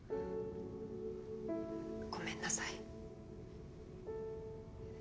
ごめんなさい。